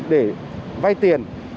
để vay tiền